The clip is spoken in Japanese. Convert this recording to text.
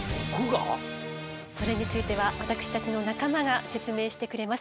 それについては私たちの仲間が説明してくれます。